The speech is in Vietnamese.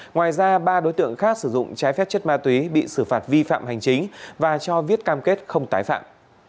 ngoài ra ba đối tượng khác sử dụng trái phép chất ma túy bị xử phạt vi phạm hành chính và cho viết cam kết không tái phạm